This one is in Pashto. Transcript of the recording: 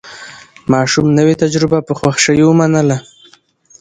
ماشوم نوې تجربه په خوښۍ ومنله